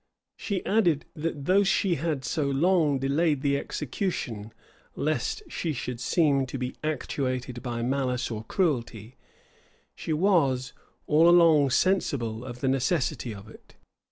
She added, that though she had so long delayed the execution, lest she should seem to be actuated by malice or cruelty, she was all along sensible of the necessity of it.